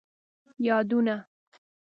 یادونه